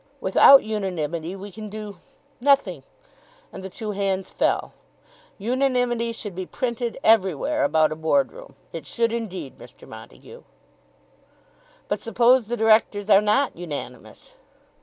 "Without unanimity we can do nothing." And the two hands fell. "Unanimity should be printed everywhere about a Board room. It should, indeed, Mr. Montague." "But suppose the directors are not unanimous."